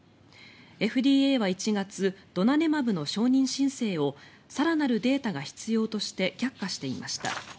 ＦＤＡは１月ドナネマブの承認申請を更なるデータが必要として却下していました。